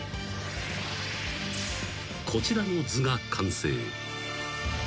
［こちらの図が完成］